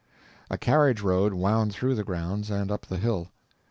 A carriage road wound through the grounds and up the hill.